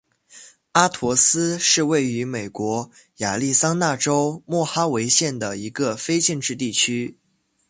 阿陀斯是位于美国亚利桑那州莫哈维县的一个非建制地区。